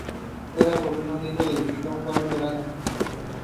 The zooids are dark brown.